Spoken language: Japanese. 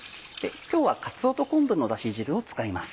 今日はかつおと昆布のダシ汁を使います。